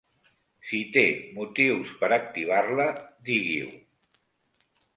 Si té motius per activar-la, digui-ho.